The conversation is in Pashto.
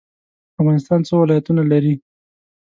افغانستان څو ولایتونه لري؟